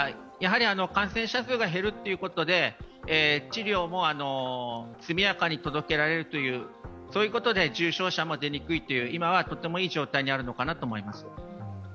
感染者数が減るということで治療も速やかに届けられる、そういうことで重症者も出にくい、今はとてもいい状況にあると思います。